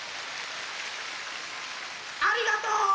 ありがとう！